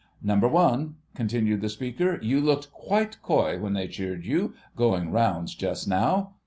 "Number One," continued the speaker, "you looked quite coy when they cheered you, going rounds just now."